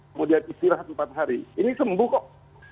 kemudian istirahat empat hari ini sembuh kok